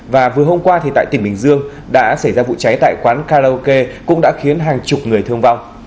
và vừa hôm qua thì tại tỉnh bình dương đã xảy ra vụ cháy tại quán karaoke cũng đã khiến hàng chục người thương vong